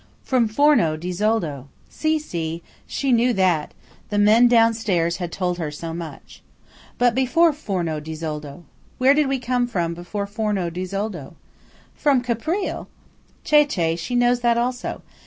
From Forno di Zoldo! Sì, sì–she knew that–the men down stairs had told her so much. But before Forno di Zoldo. Where did we come from before Forno di Zoldo? From Caprile! Che! che! she knows that also.